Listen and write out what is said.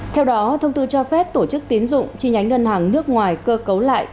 theo đó thông tư cho phép tổ chức tiến dụng chi nhánh ngân hàng nước ngoài cơ cấu lại